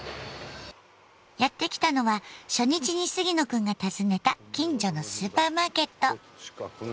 やって来たのは初日に杉野くんが訪ねた近所のスーパーマーケット。